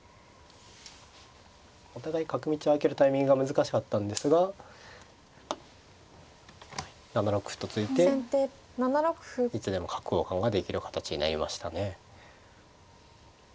お互い角道を開けるタイミングが難しかったんですが７六歩と突いていつでも角交換ができる形になりましたね。